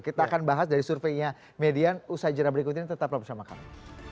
kita akan bahas dari surveinya median usai jalan berikut ini tetaplah bersama kami